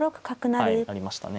はい成りましたね。